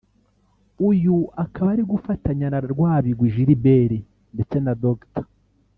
uyu akaba ari gufatanya na Rwabigwi Gilbert ndetse na Dr